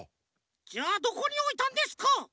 じゃあどこにおいたんですか？